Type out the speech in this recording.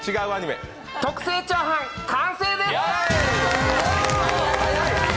特製チャーハン、完成です。